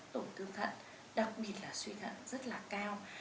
tổn thương thận đặc biệt là suy thận rất là cao